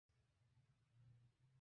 নিজের ভালোবাসার বিয়ে দেখছিস?